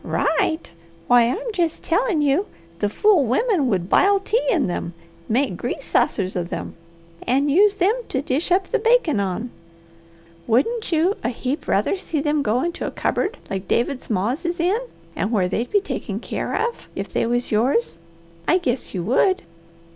"Right! Why, I'm jest tellin' you the fool wimmen would bile tea in them, make grease sassers of them, and use them to dish up the bakin' on! Wouldn't you a heap rather see them go into a cupboard like David's ma's is in, where they'd be taken keer of, if they was yours? I guess you would!"